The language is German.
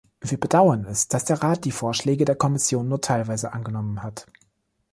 Wir bedauern es, dass der Rat die Vorschläge der Kommission nur teilweise angenommen hat.